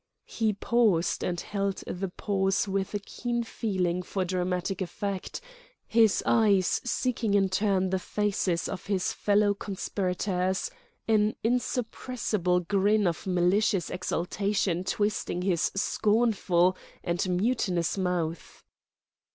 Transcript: He paused and held the pause with a keen feeling for dramatic effect, his eyes seeking in turn the faces of his fellow conspirators, an insuppressible grin of malicious exultation twisting his scornful and mutinous mouth.